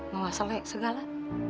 bawa selai segala